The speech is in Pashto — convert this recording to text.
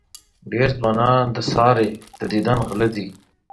ډېر ځوانان د سارې د دیدن غله دي.